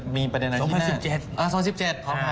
มีประเด็นอาทิตย์หน้า